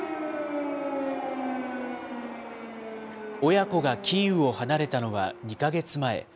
親子がキーウを離れたのは２か月前。